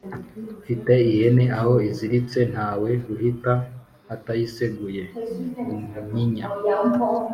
Mfite ihene aho iziritse ntawe uhita atayiseguye-Umunyinya.